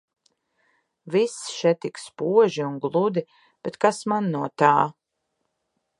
Viss še tik spoži un gludi, bet kas man no tā.